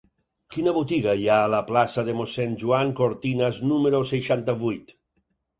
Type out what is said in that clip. Quina botiga hi ha a la plaça de Mossèn Joan Cortinas número seixanta-vuit?